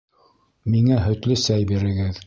Миңә һөтлө сәй бирегеҙ